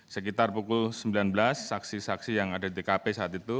sekitar pukul sembilan belas saksi saksi yang ada di tkp saat itu